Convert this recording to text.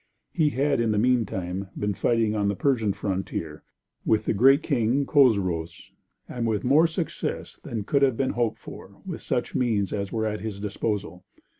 He had in the meantime been fighting on the Persian frontier, with the great King Chosroës, and with more success than could have been hoped for with such means as were at his disposal.